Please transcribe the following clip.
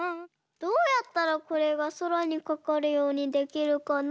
どうやったらこれがそらにかかるようにできるかな？